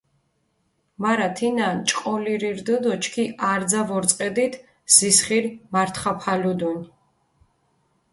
მარა თინა ნჭყოლირი რდჷ დო ჩქი არძა ვორწყედით ზისხირი მართხაფალუდუნ.